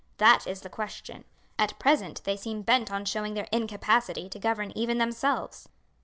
That is the question. At present they seem bent on showing their incapacity to govern even themselves."